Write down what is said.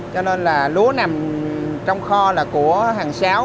cho nên là lúa nằm trong kho là của hàng sáu